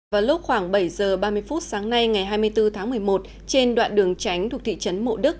vào lúc khoảng bảy h ba mươi phút sáng nay ngày hai mươi bốn tháng một mươi một trên đoạn đường tránh thuộc thị trấn mộ đức